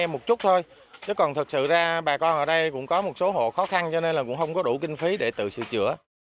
một chút thôi chứ còn thật sự ra bà con ở đây cũng có một số hộ khó khăn cho nên là cũng không có đủ kinh phí để tự sửa chữa